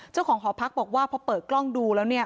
เจ้าของหอพักบอกว่าพอเปิดกล้องดูแล้วเนี่ย